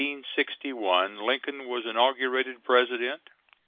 In March, 1861, Lincoln was inaugurated President.